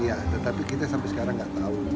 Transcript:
iya tetapi kita sampai sekarang nggak tahu